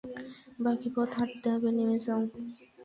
বাকি পথ হাটতে হবে, নেমে যাও।